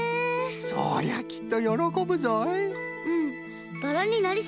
そりゃきっとよろこぶぞい。